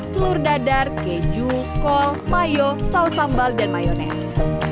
telur dadar keju kol mayo saus sambal dan mayonis